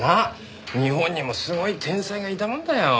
日本にもすごい天才がいたもんだよ。